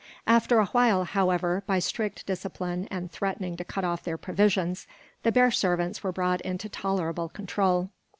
After a while, however, by strict discipline and threatening to cut off their provisions, the bear servants were brought into tolerable control.